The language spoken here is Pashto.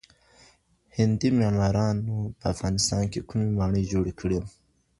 هندي معمارانو په افغانستان کي کومي ماڼۍ جوړې کړې؟